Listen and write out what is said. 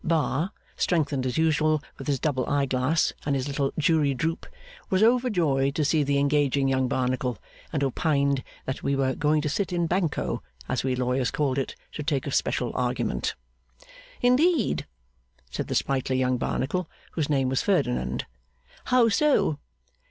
Bar, strengthened as usual with his double eye glass and his little jury droop, was overjoyed to see the engaging young Barnacle; and opined that we were going to sit in Banco, as we lawyers called it, to take a special argument? 'Indeed,' said the sprightly young Barnacle, whose name was Ferdinand; 'how so?